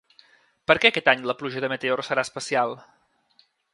Perquè aquest any la pluja de meteors serà especial?